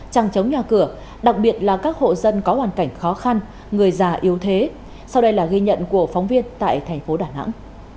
trăng chống nhà cửa đặc biệt là các hộ dân có hoàn cảnh khó khăn người già yếu thế sau đây là ghi nhận của phóng viên tại thành phố đà nẵng